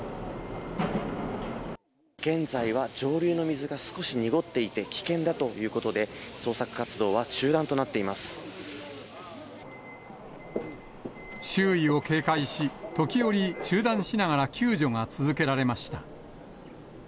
現在は上流の水が少し濁っていて危険だということで、周囲を警戒し、時折、中断しながら救助が続けられました。